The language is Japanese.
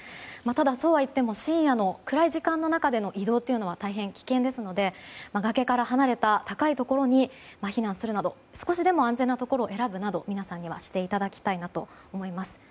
ただ、そうはいっても深夜の暗い時間の移動は大変危険ですので崖から離れた高いところに避難するなど少しでも安全なところを選ぶなど、皆さんにはしていただきたいと思います。